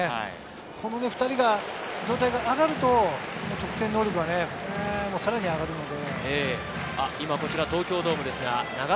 この２人の状態が上がると得点能力はさらに上がるので。